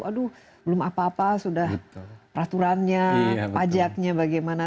aduh belum apa apa sudah peraturannya pajaknya bagaimana